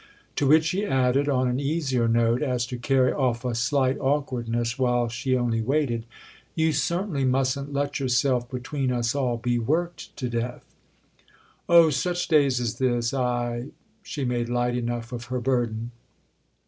To which he added on an easier note, as to carry off a slight awkwardness while she only waited: "You certainly mustn't let yourself—between us all—be worked to death." "Oh, such days as this—I" She made light enough of her burden.